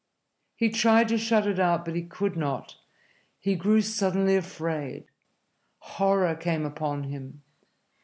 He tried to shut it out, but he could not. He grew suddenly afraid. Horror came upon him.